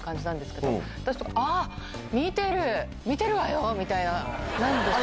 私とか、あー、見てる、見てるわよみたいななんですよ。